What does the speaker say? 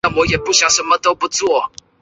辅助室内安装预热锅炉及其控制柜。